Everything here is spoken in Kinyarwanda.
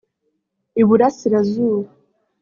Iburasirazuba